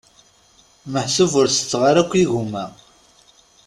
Meḥsub ur tetteɣ ara akk igumma.